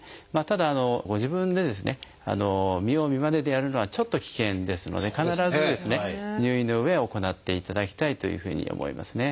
ただご自分で見よう見まねでやるのはちょっと危険ですので必ず入院のうえ行っていただきたいというふうに思いますね。